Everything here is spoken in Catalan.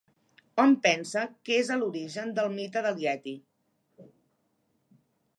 Hom pensa que és a l'origen del mite del ieti.